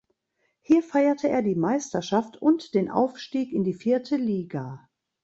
Hier feierte er die Meisterschaft und den Aufstieg in die vierte Liga.